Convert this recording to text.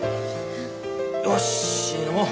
よし飲もう！